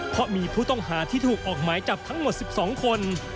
เพราะมีผู้ต้องหาที่ถูกออกหมายจับทั้งหมด๑๒คน